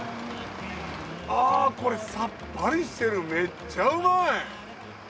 あぁこれさっぱりしてる。めっちゃうまい！